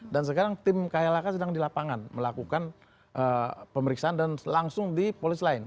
dan sekarang tim klhk sedang di lapangan melakukan pemeriksaan dan langsung di polis lain